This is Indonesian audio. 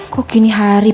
kok gini hari